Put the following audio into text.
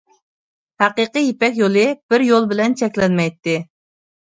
ھەقىقىي يىپەك يولى بىر يول بىلەن چەكلەنمەيتتى.